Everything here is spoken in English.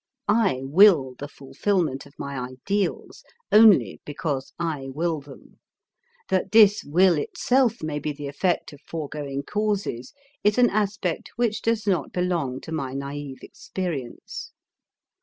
I will the fulfillment of my ideals only because I will them. That this will itself may be the effect of foregoing causes is an aspect which does not belong to my naïve experience.